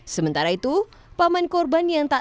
sementara itu paman kurban yang takut